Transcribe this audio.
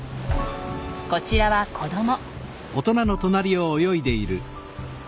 こちらは子ども。